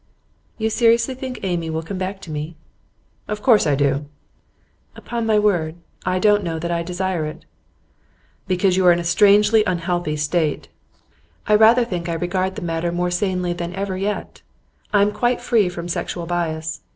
'You seriously think Amy will come back to me?' 'Of course I do.' 'Upon my word, I don't know that I desire it.' 'Because you are in a strangely unhealthy state.' 'I rather think I regard the matter more sanely than ever yet. I am quite free from sexual bias.